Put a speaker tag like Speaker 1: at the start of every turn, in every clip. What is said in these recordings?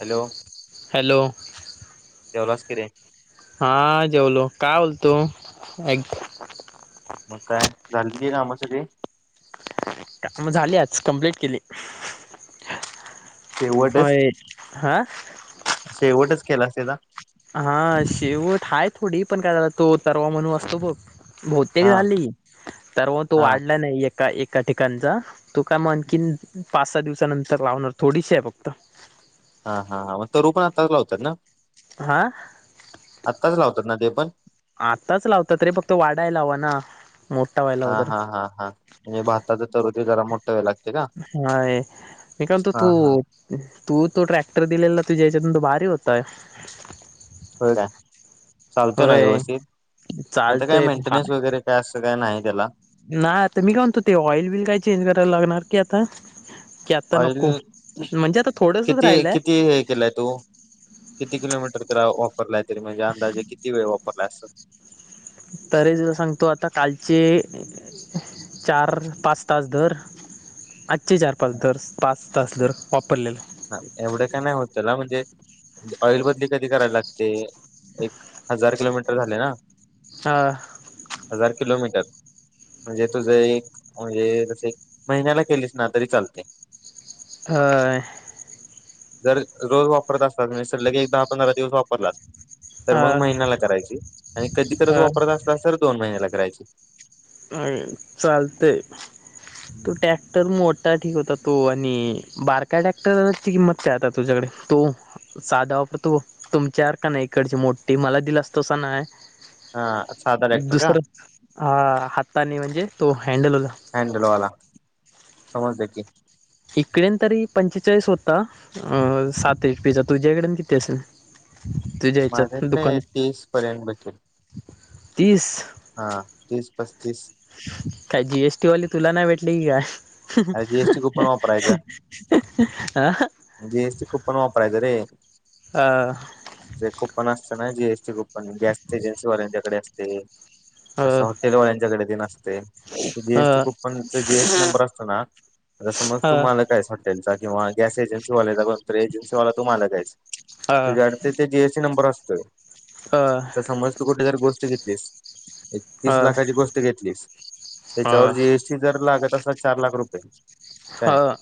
Speaker 1: Hello,
Speaker 2: hello
Speaker 1: जेवलास की रे
Speaker 2: हा जेवलो. काय बोलतो?
Speaker 1: मग काय, झालती काम सगळी
Speaker 2: म झाली आज, कंम्प्लेट केली
Speaker 1: शेवटचं,
Speaker 2: होय हा
Speaker 1: शेवटचं केलास त्याचा
Speaker 2: हा, शेवट हाय थोडी, पण काय झालं, तो तरवा म्हणू असतो बघ बहुतेक
Speaker 1: हा
Speaker 2: झाली, तर वो तो
Speaker 1: हा
Speaker 2: वाढला नाही, एक त्या एका ठिकाणचा, तो काम आणखीन पाच सहा दिवसानंतर लावणार थोडीशी आहे फक्त.
Speaker 1: हा, हा, म तरु पण आताच लावतात ना?
Speaker 2: हा
Speaker 1: आत्ताच लावतात ना? ते पण
Speaker 2: आताच लावतात रे, फक्त वाढायला हवा ना, मोठा व्हायला वगरं
Speaker 1: हा- हा नी भाताचं तरोजे जरा मोठ
Speaker 2: नाय, मी काय म्हणतो
Speaker 1: हा हा
Speaker 2: तू तू तो ट्रॅक्टर दिलेला, तुझ्याहयाच्यातून तो भारी होता.
Speaker 1: व्हय का? चालतोय ना
Speaker 2: होय
Speaker 1: व्यवस्थित, त्यांच काय
Speaker 2: चालतोय
Speaker 1: मेंटेनन्स वगैरे काय, असं काय, नाही त्याला
Speaker 2: नाय, आता मी काय म्हणतो, ते ऑइल बिल काय चेंज कराय लागणार की आता? की आता
Speaker 1: ऑईल
Speaker 2: नको म्हणजे आता थोडसच
Speaker 1: किती
Speaker 2: राहिलय
Speaker 1: किती हे केलाय तो? किती किलोमीटर तर वापरलाय, तरी म्हणजे, अंदाजे किती वेळ वापरलाय असं?
Speaker 2: तरी, तुला सांगतो, आता कालचे चार्रर्र पाच तास धर चे चार-पाच धर्स, पाच तास धर, वापरलेल
Speaker 1: हा, एवढं काय नाय होत, त्याला म्हणजे ऑइल बदली कधी कराय लागते, एक हजार किलोमीटर झाले ना?
Speaker 2: हा
Speaker 1: हजार किलोमीटर म्हणजे तुझं एक, म्हणजे जसे एक महिन्याला केलीस ना, तरी चालते
Speaker 2: होय
Speaker 1: जर रोज वापरत असता तुम्ही सर, लगे एक दहा-पंधराव्या दिवस वापरलास तर मग
Speaker 2: अ
Speaker 1: महिन्याला करायची आणि कधी तरीच वापरत असलास, तर दोन महिन्याला करायची.
Speaker 2: व्हय चालतंय, तो टॅक्टर मोठ त्या ठीक होता, तो आणि बारका ट्रॅक्टरची किंमत काय? आता तुझ्याकडे तो सादा वापतो तुमच्या आरका नाही इकडची मोठी मला दिलासतसा नाय.
Speaker 1: हा साधा ट्रॅक्टर का
Speaker 2: दुसरं हा हाताने म्हणजे तो हँडल होता.
Speaker 1: हॅन्डलवाला, समजल की
Speaker 2: इकडेन तरी, पंचेचाळीस होता अ साते एक पिझ्झा तुझ्याकडेन किती असेल? तुझ्या ह्याच्यात
Speaker 1: माझ्याकडे आहे
Speaker 2: दुकानात
Speaker 1: तीस पर्यंत बचत
Speaker 2: तीस
Speaker 1: हा तीस पस्तीस
Speaker 2: काय जीएसटीवाले तुला नाही भेटले की काय?
Speaker 1: अरे जीएसटी कुपन वापरायचा
Speaker 2: हां.
Speaker 1: जीएसटी कुपन वापरायचं रे.
Speaker 2: आ
Speaker 1: जे कुपन असतं ना जीएसटी कुपन, गॅस एजन्सीवाल्यांच्याकडे असते.
Speaker 2: अ
Speaker 1: असं हॉटेलवाल्यांच्याकडे ते नसतंय. जीएसटी
Speaker 2: अ
Speaker 1: कुपनचं जीएसटी नंबर अस समज आता समज तु
Speaker 2: अ
Speaker 1: मालक आहेस हॉटेलचा किंवा गॅस एजन्सीवाल्याकडे बघ तर एजन्सीवाला तू मालक आहेस,
Speaker 2: अ
Speaker 1: तुझ्याकडे ते जीएसटी नंबर असतोय.
Speaker 2: हा.
Speaker 1: तर समज तू कुठंतरी गोष्ट घेतलीस एक तीस
Speaker 2: अ
Speaker 1: लाखाची गोष्ट घेतलीस,
Speaker 2: अ
Speaker 1: त्याच्यावर जीएसटी जर लागत असंल चार लाख रुपये काय,
Speaker 2: अ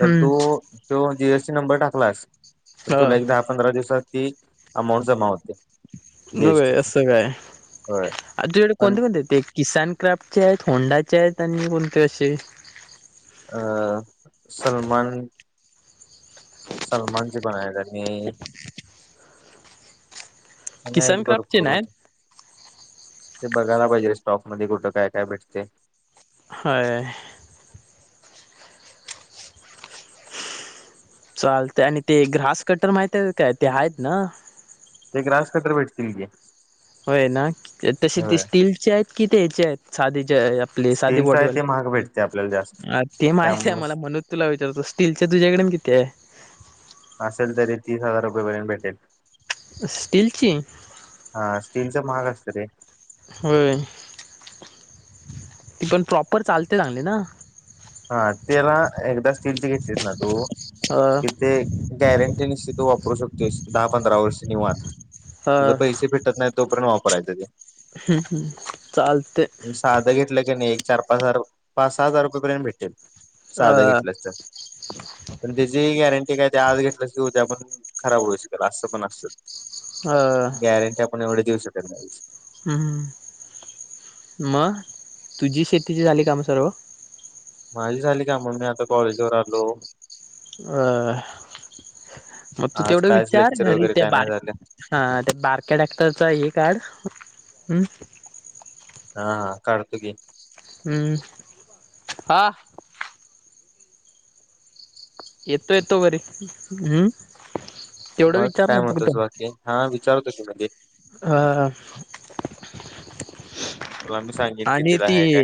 Speaker 1: तर तू तो जीएसटी नंबर टाकलास तर तुला एक दहा पंधरा दिवसात ती अमाऊंट जमा होते.
Speaker 2: होय
Speaker 1: जीएसटीची
Speaker 2: असं काय?
Speaker 1: होय
Speaker 2: तुझ्याकडे
Speaker 1: पण
Speaker 2: कोणते कोणते आहेत ते किसान क्राफ्टचे आहेत, होंडाचे आहेत आणि वन प्लसचे.
Speaker 1: अ सलमान सलमानचे पण आहेत आणि आणि
Speaker 2: किसान
Speaker 1: आहेत
Speaker 2: क्राफ्टचे
Speaker 1: भरपूर गावचे.
Speaker 2: नाहीत
Speaker 1: ते बघयला पाहिजे स्टॉकमध्ये कुठं काय काय भेटते.
Speaker 2: हाय चालतंय आणि ते ग्रास कटर माहित आहे की काय ते आहेत ना?
Speaker 1: ते ग्रास कटर भेटतंय की ते.
Speaker 2: होय ना? तसे ते स्टीलीलचे आहेत, की ते याचे आहेत साधं जे आपले सादी
Speaker 1: स्टीलच
Speaker 2: बॉडी
Speaker 1: आहे
Speaker 2: वाले
Speaker 1: ते महाग भेटते आपल्याला जास्त
Speaker 2: अ ते माहित आहे
Speaker 1: त्यामुळे
Speaker 2: मला म्हणूनच तुला विचारतोय. स्टीलच्या तुझ्याकडे किती आहे?
Speaker 1: असेल तरी तीस हजार रुपयेपर्यंत भेटेल.
Speaker 2: स्टीलची?
Speaker 1: हा स्टीलच महाग असतं रे.
Speaker 2: होय. ते पण प्रॉपर चालते चांगले ना?
Speaker 1: हा ते ना एकदा स्टीलचे घेतलीस ना तू
Speaker 2: अ
Speaker 1: की ते गॅरंटी निश्चित तू वापरू शकतोयस दहा, पंधरा वर्ष निवांत.
Speaker 2: अ
Speaker 1: तुझ पैसे फिट तुटत नाही तोपर्यंत वापरायचं ते.
Speaker 2: हम्म हम्म चालतंय.
Speaker 1: साधं घेतलं की नाही, एक चार पाच हजार पाच सहा हजार रुपयेपर्यंत भेटेल.
Speaker 2: अ
Speaker 1: साधं घेतलंस तर. पण त्याची ही गॅरंटी काय ते आज घेतल्यास की उद्या पण खराब होऊ शकेल असं पण असतं
Speaker 2: अ
Speaker 1: गॅरंटी आपण एवढी देऊ शकत नाही.
Speaker 2: हम्म, मग तुझी शेतीची झाली काम सर्व?
Speaker 1: माझी झाली काम म्हणून मी आता कॉलेजवर आलो.
Speaker 2: अ मग तू
Speaker 1: आज
Speaker 2: तेवढं
Speaker 1: कायच
Speaker 2: विचार
Speaker 1: लेक्चर
Speaker 2: घरी
Speaker 1: वगैरे
Speaker 2: त्या
Speaker 1: काय नाही
Speaker 2: बार
Speaker 1: झालं.
Speaker 2: हा ते बारक्या ट्रॅक्टरचं हे काढं हं
Speaker 1: हा हा काढतो की.
Speaker 2: हम्म हां. येतो येतो बरी, हम्.. तेवढं
Speaker 1: मग
Speaker 2: विचार
Speaker 1: काय
Speaker 2: न फक्त.
Speaker 1: म्हणतोस बाकी हा विचारतो की म्हणजे
Speaker 2: हा.
Speaker 1: तुला मी सांगेन की
Speaker 2: आणि
Speaker 1: तिला
Speaker 2: ती,
Speaker 1: आहे काय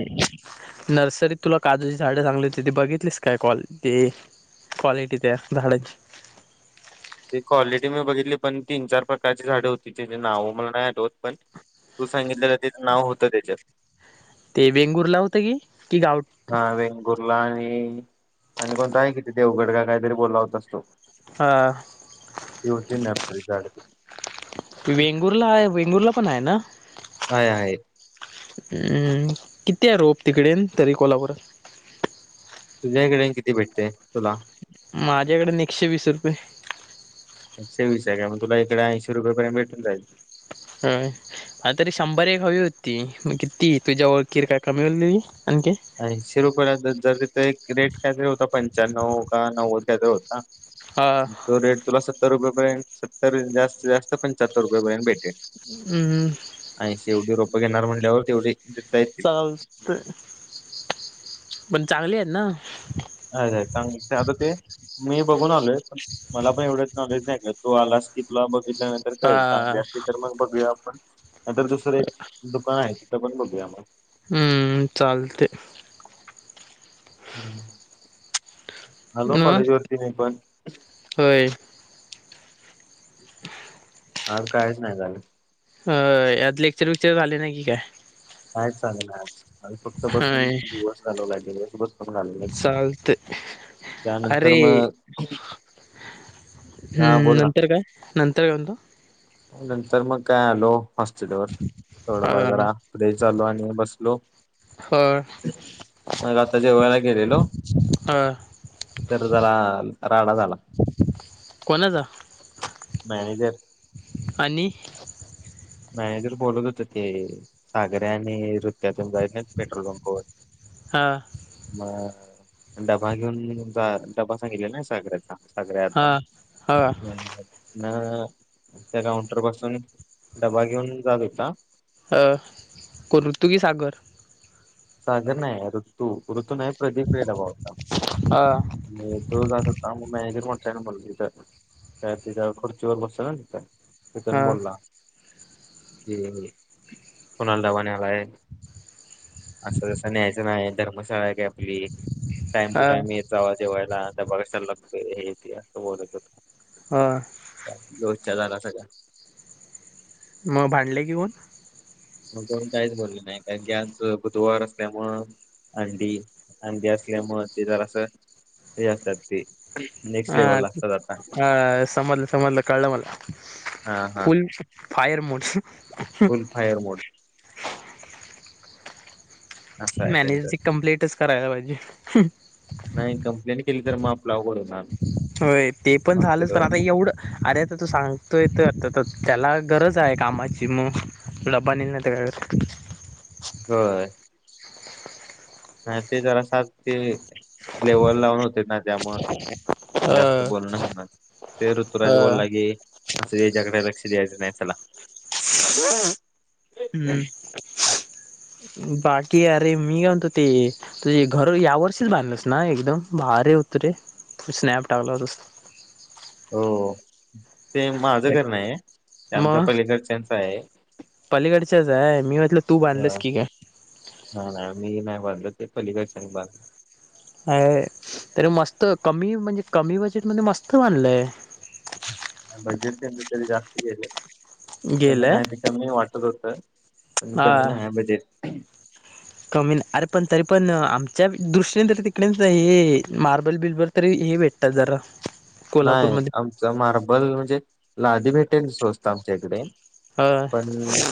Speaker 2: नर्सरीत तुला काजूची झाडं चांगली होती, ती बघितलीस काय कॉल ते. क्वालिटी त्या झाडाची.
Speaker 1: ती क्वालिटी मी बघितली पण तीन चार प्रकारची झाडं होती, त्याची नाव मला नाही आठवत पण. तू सांगितलं तेच नाव होतं त्याच्यात.
Speaker 2: ते वेंगुर्ला होतं की, की गाव
Speaker 1: हा वेंगुर्ला आणि आणि कोणता आहे, किती देवगड का काहीतरी बोलला होतास तू.
Speaker 2: हां.
Speaker 1: मी होती नर्सरीत झाडं.
Speaker 2: वेंगुरला आहे वेंगुरला पण आहे ना.
Speaker 1: हाय हाय.
Speaker 2: हम्म.. किती य त्या रोप, तिकडेन तरी कोल्हापुरात.
Speaker 1: तुझ्याइकडे कितीन भेटते तुला.
Speaker 2: माझ्याकडेन एकशे वीस रुपये.
Speaker 1: एकशे वीस आहे मग तुला, इकडे ऐशी रुपयापर्यंत भेटून जाईल.
Speaker 2: काय. हा तरी शंभर एक हवी होती किती, तुझ्या ओळखीर काय कमी होइली आणखी.
Speaker 1: ऐशी रुपयाला जरी ते रेट कायतरी होता, पंच्याण्णव का नव्वद कायतरी होता.
Speaker 2: हां.
Speaker 1: तो रेट तुला सत्तर रुपयेपर्यंत, सत्तर जास्त जास्त पंचाहत्तर रुपयेपर्यंत भेटेल.
Speaker 2: हम्म.
Speaker 1: ऐशी एवढी रोपं घेणार, म्हंटल्यावर तेवढे देता येत.
Speaker 2: [unintelligible] पण चांगले आहेत ना.
Speaker 1: आहेत आहेत चांगले, आता ते मी बघून आलोय पण, मला पण एवढंच नॉलेज नाही करतो, तू आलास की तुला बघित त्यानंतर कळेल चांगली
Speaker 2: हा
Speaker 1: असतील तर मग बघूया आपण, नाहीतर दुसरं एक दुकान आहे. तिथं पण बघूया मग.
Speaker 2: हम्म चालते.
Speaker 1: हम्म. आलो
Speaker 2: मग
Speaker 1: कॉलेज वरती मी पण.
Speaker 2: होय.
Speaker 1: आज कायच नाही झालं.
Speaker 2: होय आज लेक्चर विक्चर झाले, नाही की काय.
Speaker 1: काय चालेल नाय आज आम्ही फक्त बसून
Speaker 2: होय
Speaker 1: दिवस घालवलाय दिवस भर.
Speaker 2: चालते
Speaker 1: त्यानंतर
Speaker 2: अरे
Speaker 1: मग, हा
Speaker 2: हम्म.
Speaker 1: बोल ना
Speaker 2: नंतर काय, नंतर काय म्हणतो.
Speaker 1: नंतर मग काय आलो हॉस्टेलवर, थोडंफार जरा फ्रेश झालो आणि बसलो.
Speaker 2: हो.
Speaker 1: मग आता जेवायला गेलेलो.
Speaker 2: अ
Speaker 1: तर जरा, राडा झाला.
Speaker 2: कोणाचा,
Speaker 1: मॅनेजर,
Speaker 2: आणि,
Speaker 1: मॅनेजर बोलत होते. सागर्या आणि रूत्या‌ तेन, जायत नाही पेट्रोल पंपावर.
Speaker 2: हां.
Speaker 1: मग डबा घेऊन जा डबा सांगितला ना साखरेचा. सगळ्या
Speaker 2: हा
Speaker 1: आता,
Speaker 2: हा
Speaker 1: ना त्या काउंटर पासून. डबा घेऊन जात होता.
Speaker 2: कृतूगी की सागर.
Speaker 1: सागर नाही ऋतू, ऋतू नाही प्रदीप [unintelligible] होता.
Speaker 2: आ..
Speaker 1: तो जात होता मग मॅनेजर म्हटलंय ना म इथं विचारता. [unintelligible] काय त्याच्या खुर्ची वर बसेल ना त त्या. [unintelligible]
Speaker 2: हा
Speaker 1: तिथून बोलला कि, कोणाला डबा न्हायलाय. असं जस न्यायचं नाही धर्मशाळा आहे काय आपली टाइम टू
Speaker 2: हा
Speaker 1: टाइम एत जाव जेवायला त्या बगाच्या लग् हेेते, असं बोलत होत.
Speaker 2: हा
Speaker 1: रोजच्या झाला सगळा.
Speaker 2: मग भांडले की ऊन.
Speaker 1: [unintelligible] मग करून काहीच बोलले नाही कारण कीज बुधवार असल्यामुळे. अंडी अंडी असल्यामुळ ते जरास अस हे असतात ते नेक्स्ट लेव्हलला
Speaker 2: ह
Speaker 1: असतात आता
Speaker 2: ह समजला समजला कळल मला.
Speaker 1: हा हा
Speaker 2: फायर मोठ
Speaker 1: फुल फायर मोड. असं आहे त्यांचं
Speaker 2: मॅनेजरची कंप्लिटच करायला पाहिजे.
Speaker 1: नाही कंप्लेंट केली तर मग, आपल अवघड होणार.
Speaker 2: होय, ते पण झालंच पण
Speaker 1: हॉस्पिटलवर
Speaker 2: आता एवढं. अरे आता तू सांगतोय तर त्याला गरज आहे कामाची मग. लबा निल नाही त कर.
Speaker 1: होय. हा ते जरा सात ते लेवल लावून होते ना त्यामुळ.
Speaker 2: कर.
Speaker 1: जास्त
Speaker 2: अ
Speaker 1: बोलण होणार ते ऋतुराज
Speaker 2: अ
Speaker 1: बोलला की असं याच्याकडे, लक्ष द्यायचं नाही चला.
Speaker 2: हम्म बाकी अरे, मी काय म्हणतो ते. तुझ घर या वर्षीच बांधलंस ना एकदम भारी हुत रे स्नॅप टाकलातस.
Speaker 1: हो ते माझं घर नाही आहे ते आमच्या
Speaker 2: मग
Speaker 1: पलीकडच्याच आहे.
Speaker 2: पलीकडच्याच आहे, मी म्हटलं तू बांधलस की काय.
Speaker 1: ह नाही मी नाही बांधल ते पलीकडच्या बाध
Speaker 2: अ तरी मस्त कमी म्हणजे कमी बजेटमध्ये मस्त बांधलंय.
Speaker 1: बजेट तेच तरी जास्त गेलं. कमी
Speaker 2: गेलंय
Speaker 1: नाही ते कमी वाटत होतं.
Speaker 2: हा
Speaker 1: नाही हाय बजेट.
Speaker 2: कमी अरे पण तरी पण, आमच्या दृष्टीने तरी तिकडेच हे मार्बल बिल्बल. तरी हे भेटतात जरा.
Speaker 1: नाही
Speaker 2: कोल्हापूरमध्ये
Speaker 1: आमचा मार्बल म्हणजे, लादी भेटेल स्वस्त आमच्या इकडे.
Speaker 2: अ
Speaker 1: पण.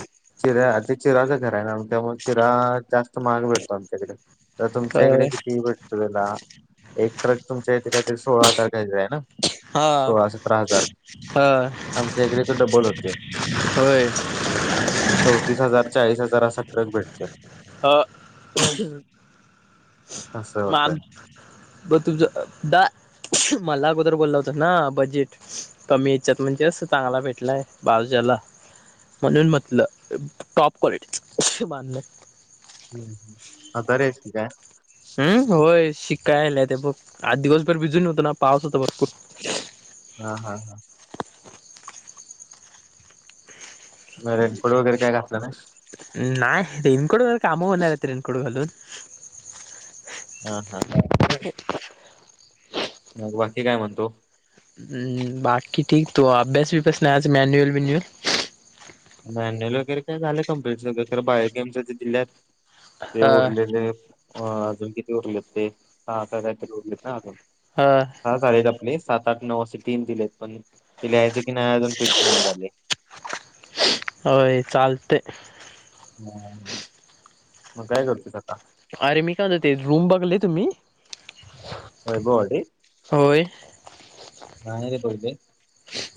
Speaker 1: चिरा्या ते चिराचं घर आहे ना त्यामुळे चिरा जास्त महाग भेटतो आमच्या कड. तर
Speaker 2: अ
Speaker 1: तुमच्या इकडे, किती भेटतो त्याला. एक ट्रक तुमच्या इथे काहीतरी सोळा टाकायचा आहे ना.
Speaker 2: हा
Speaker 1: सोळा सतरा हजार,
Speaker 2: हा
Speaker 1: आमच्या इकडे तर डबल होते.
Speaker 2: होय
Speaker 1: चौतीस हजार चाळीस हजार असा ट्रक भेटतोय.
Speaker 2: अ
Speaker 1: असं होतय
Speaker 2: मान बघ तुमचं द मला अगोदर बोलला होता ना बजेट कमी याच्यात म्हणजे अस चांगला भेटलाय बालजाला. म्हणून म्हटलं टॉप क्वालिटी बांध
Speaker 1: हम्म आदारी हायस की काय.
Speaker 2: हम्म होय शिका‌ यायल्याते बघ. आज दिवसभर भिजून होतो ना पाऊस होता भरपूर.
Speaker 1: हा हा हां. म रेनफोड वगैरे काय घातलं नाही का?
Speaker 2: नाही रेनकोट घालून काम, होणार रेनकोट घालून.
Speaker 1: हा हा हां. मग बाकी, काय म्हणतो.
Speaker 2: हम्म बाकी ठीक. तू अभ्यास वीभ्यास नाही आज मॅन्युअल विन्युअल?
Speaker 1: मॅन्युल वगैरे काय‌ झाले कम्प्लीट सगळं, ‌ खर पण बायोकेमच दिल्यात ते
Speaker 2: हा
Speaker 1: उरलेले आ आजून किती उरलेत ते सहा का काय तरी उरलेत ना अजून?
Speaker 2: हा.
Speaker 1: साहा झालेत आपले सात आठ नऊ असे टीम दिलेत पण ते, लिहायचे की नाही अजून फिक्स नाही झाले.
Speaker 2: होय चालतंय.
Speaker 1: हा. मग काय करतोयस आता?
Speaker 2: अरे मी काय म्हणतोय ते, रूम बगले तुम्ही.
Speaker 1: वैभववाडी?
Speaker 2: होय?
Speaker 1: नाही रे बघले.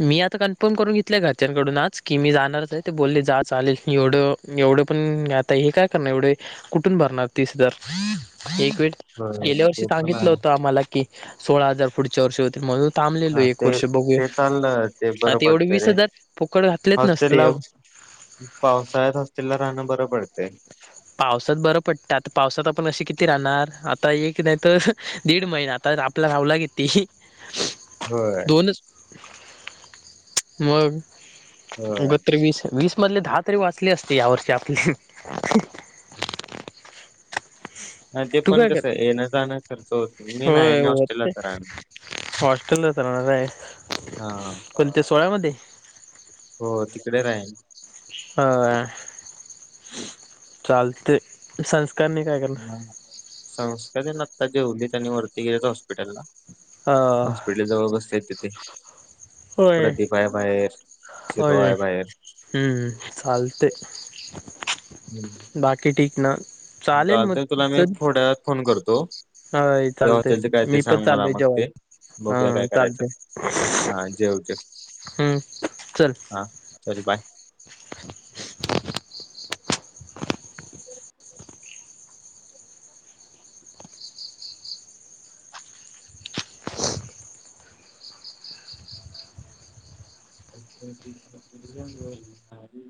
Speaker 2: मी आता कन्फर्म करून घेतलंय घरच्यांकडून आज, की मी जाणारच आहे ते बोलले जा चालेल‌. एवढं एवढं पण आता हे काय करणार एवढे, कुठून भरणार तीस हजार एक वेळ.
Speaker 1: हो
Speaker 2: गेल्या वर्षी
Speaker 1: ते पण
Speaker 2: सांगितलं
Speaker 1: आहे
Speaker 2: होतं आम्हाला की, सोळा हजार पुढच्या वर्षी होतील म्हणून. थाबलेलोय एक वर्ष बघूया.
Speaker 1: आणलं [unintelligible]
Speaker 2: आता एवढे वीस हजार फुकट घातलेच नसते.
Speaker 1: पावसाळयात होस्टेलला राहण बरं पडतंय.
Speaker 2: पावसात बरं पडत. आता पावसात आपण अशे किती राहणार, आता एक नाही तर दिड महीना. आता लावला किती?
Speaker 1: होय.
Speaker 2: [unintelligible] मग
Speaker 1: होय
Speaker 2: गोत्र वीस [unintelligible] मधले दहा तरी वाचले असते यावर्षी आपले.
Speaker 1: नाय ते
Speaker 2: तू
Speaker 1: पण‌
Speaker 2: काय
Speaker 1: कसं
Speaker 2: कर
Speaker 1: ए येन जानयात खर्च होतो मी, नाय
Speaker 2: होय
Speaker 1: मी हॉस्टेल ला
Speaker 2: होते
Speaker 1: राहणार.
Speaker 2: हॉस्टेललाच राहणार आहे,
Speaker 1: हा
Speaker 2: कोणत्या सोळ्यामध्ये.
Speaker 1: हो तिकडे राहीन.
Speaker 2: होय चालतंय. सन्स [unintelligible]
Speaker 1: ह संस्कार हेनं आत्ता जेवली‌त आणि वरती गेलेत हॉस्पिटलला.
Speaker 2: हा.
Speaker 1: ते दोघे बसलेत तिथे,
Speaker 2: होय
Speaker 1: प्रतिभा आहे बाहेर. चिरू
Speaker 2: होय
Speaker 1: आहे बाहेर
Speaker 2: हम्म हम्म चालतंय.
Speaker 1: हम्म.
Speaker 2: बाकी ठिक‌ ना? चालेल मग
Speaker 1: चालतंय तूला मी एक
Speaker 2: चल
Speaker 1: थोड्या वेळात फोन करतो
Speaker 2: होय
Speaker 1: त्या
Speaker 2: चालतंय,
Speaker 1: हॉटेलचं काय ते
Speaker 2: मी पप
Speaker 1: सांग मला
Speaker 2: चाललोय
Speaker 1: मग ते
Speaker 2: जेवायला. हा
Speaker 1: बघूया काय करायचं
Speaker 2: चालतंय,
Speaker 1: हा जेव जेव
Speaker 2: हम्म चल.
Speaker 1: हा चल बाय. [unintelligible]